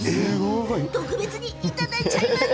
特別にいただいちゃいます！